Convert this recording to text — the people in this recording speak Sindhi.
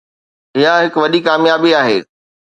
اها هڪ وڏي ڪاميابي آهي.